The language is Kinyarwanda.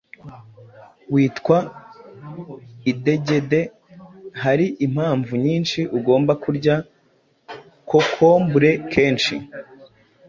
witwa idegede. Hari impamvu nyinshi ugomba kurya kokombure kenshi